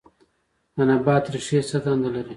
د نبات ریښې څه دنده لري